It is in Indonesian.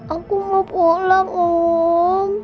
aku mau pulang om